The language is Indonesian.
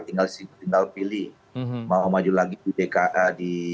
tinggal pilih mau maju lagi di dki